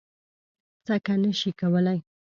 څکه نه شي کولی.